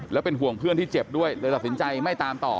แล้วเป็นห่วงเพื่อนที่เจ็บด้วยเลยตัดสินใจไม่ตามต่อ